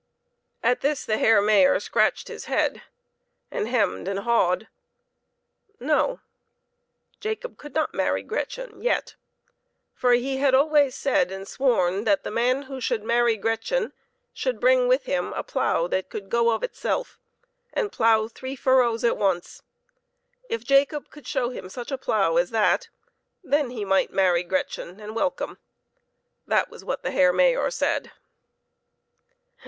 At this the Herr Mayor scratched his head, and hemmed and hawed. No ; Jacob could not marry Gretchen yet, for he had always said and sworn that the man who should marry Gretchen should bring with him a plough that could go of itself, and plough three furrows at once. If Jacob would show him such a plough as that, then he might marry Gretchen and welcome. That was what the Herr Mayor said.